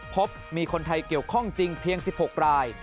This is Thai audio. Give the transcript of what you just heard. พบมีคนไทยเกี่ยวข้องจริงเพียง๑๖ราย